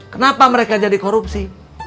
kenapa mereka jadi korupsi